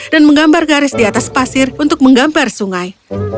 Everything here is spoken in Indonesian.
dan menggambar garis di atas pasir untuk menggambar sungai